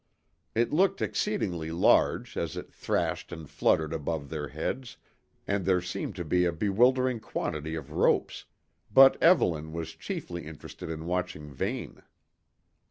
It looked exceedingly large as it thrashed and fluttered above their heads, and there seemed to be a bewildering quantity of ropes, but Evelyn was chiefly interested in watching Vane.